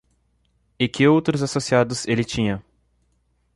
E que outros associados ele tinha?